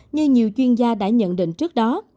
như nhiều chuyên gia đã nhận định trước đó